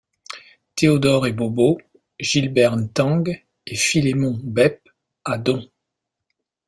Théodore Ebobo, Gilbert Ntang et Philemon Bep à Don.